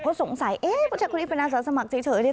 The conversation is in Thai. เขาสงสัยเอ๊ะเพราะฉะนั้นเป็นอาสาสมัครเฉย